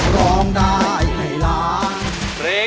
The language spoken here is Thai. ร้องได้ให้ล้าน